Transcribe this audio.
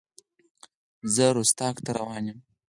زه رُستاق ته روان یم.